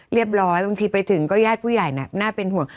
เรียบร้อยบางทีไปถึงก็ญาติผู้ใหญ่น่ะน่าเป็นห่วง